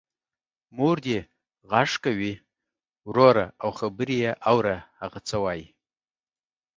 مور دی غږ کوې وروره او خبر یې اوره هغه څه وايي.